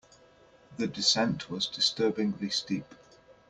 The descent was disturbingly steep.